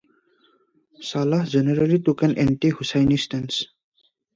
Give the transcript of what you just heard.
Salah generally took an anti-Husayni stance.